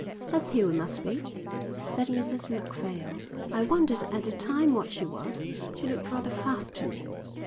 "That's who it must be," said Mrs Macphail. "I wondered at the time what she was. She looked rather fast to me."